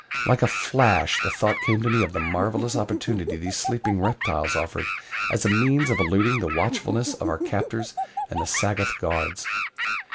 Like a flash the thought came to me of the marvelous opportunity these sleeping reptiles offered as a means of eluding the watchfulness of our captors and the Sagoth guards.